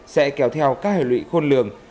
sẽ kéo theo các hệ lụy khôn lường